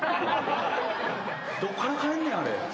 どっから帰んねんあれ。